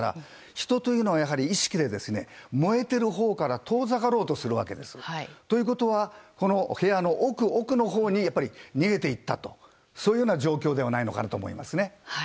人というのは意識で、燃えてるほうから遠ざかろうとするわけです。ということはこの部屋の奥のほうに逃げていったという状況ではないかと思いますね。